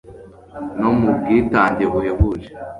no mu bwitange buhebuje